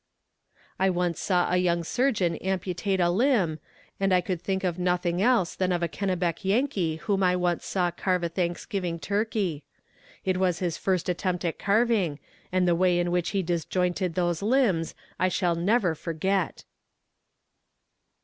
I once saw a young surgeon amputate a limb, and I could think of nothing else than of a Kennebec Yankee whom I once saw carve a Thanksgiving turkey; it was his first attempt at carving, and the way in which he disjointed those limbs I shall never forget.